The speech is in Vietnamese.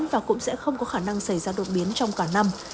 và cũng sẽ không có khả năng xảy ra đột biến trong cả năm